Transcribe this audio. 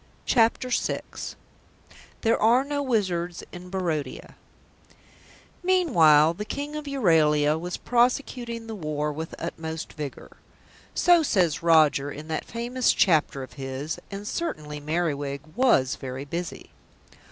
CHAPTER VI THERE ARE NO WIZARDS IN BARODIA Meanwhile "the King of Euralia was prosecuting the war with utmost vigour." So says Roger in that famous chapter of his, and certainly Merriwig was very busy.